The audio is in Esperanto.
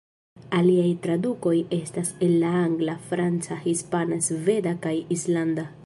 Aliaj tradukoj estas el la angla, franca, hispana, sveda kaj islanda.